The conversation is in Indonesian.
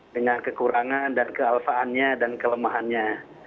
dengan kekurangan dan kealsaannya dan kelemahannya